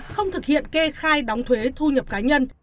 không thực hiện kê khai đóng thuế thu nhập cá nhân